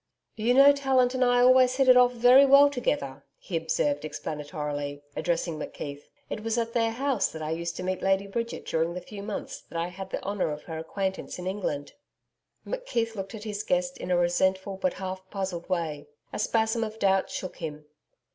'You know, Tallant and I always hit it off very well together,'he observed explanatorily, addressing McKeith. 'It was at their house that I used to meet Lady Bridget during the few months that I had the honour of her acquaintance in England.' McKeith looked at his guest in a resentful but half puzzled way. A spasm of doubt shook him.